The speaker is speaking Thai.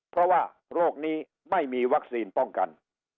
เพราะว่าโรคนี้ไม่มีวัคซีนป้องกัน